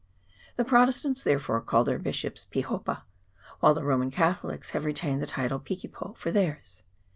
The Protestants, there fore, call their bishop pihopa, while the Roman Catholics have retained the title pikipo for theirs.